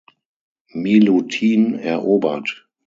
Milutin erobert.